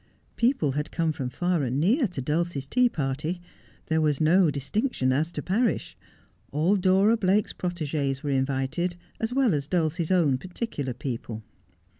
People had come from far and near to Dulcie's tea party. There was no distinction as to parish. All Dora Blake's proteges were invited, as well as Dulcie's own particular people.